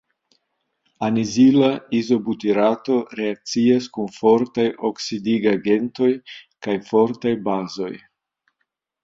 Anizila izobutirato reakcias kun fortaj oksidigagentoj kaj fortaj bazoj.